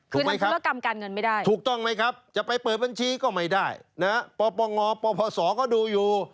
ถูกไหมครับถูกต้องไหมครับจะไปเปิดบัญชีก็ไม่ได้นะครับปปงปปสก็ดูอยู่